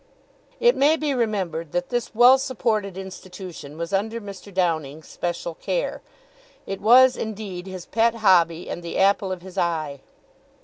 It may be remembered that this well supported institution was under Mr. Downing's special care. It was, indeed, his pet hobby and the apple of his eye.